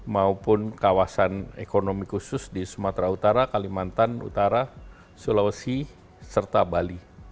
maupun kawasan ekonomi khusus di sumatera utara kalimantan utara sulawesi serta bali